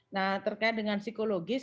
nah terkait dengan psikologis